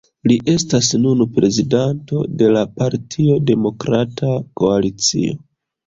Li estas nun prezidanto de la partio Demokrata Koalicio.